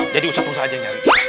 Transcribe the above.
jadi usah usah aja yang nyari